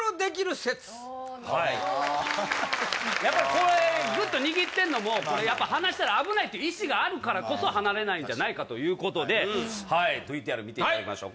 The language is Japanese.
やっぱりこれグッと握ってんのも離したら危ないという意思があるからこそ離れないんじゃないかということでＶＴＲ見ていただきましょう